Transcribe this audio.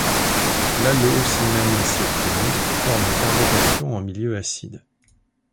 L’alloocimène ainsi obtenu forme un carbocation en milieu acide.